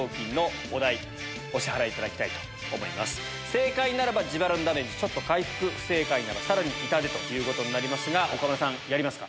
正解ならば自腹のダメージちょっと回復不正解ならさらに痛手ということになりますが岡村さんやりますか？